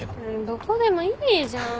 どこでもいいじゃん。